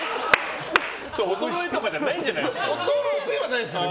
衰えとかじゃないんじゃないんですか。